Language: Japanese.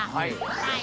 はい。